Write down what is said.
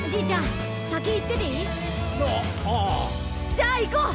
じゃあいこう！